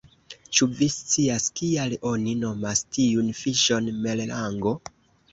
"Ĉu vi scias kial oni nomas tiun fiŝon merlango?"